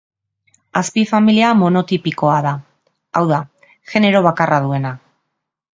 Azpifamilia monotipikoa da, hau da, genero bakarra duena.